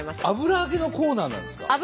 油揚げのコーナーなんですか？